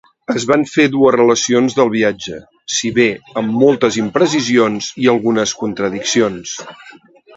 Es van fer dues relacions del viatge, si bé amb moltes imprecisions i algunes contradiccions.